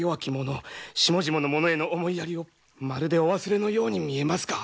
下々の者への思いやりをまるでお忘れのように見えますが。